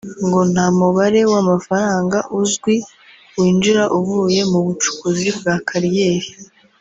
ngo nta mubare w’amafaranga uzwi winjira uvuye mu bucukuzi bwa kariyeri